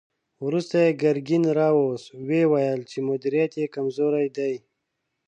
وروسته يې ګرګين را واخيست، ويې ويل چې مديريت يې کمزوری دی.